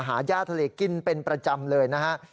หาย่าทะเลกินเป็นประจำเลยนะฮะ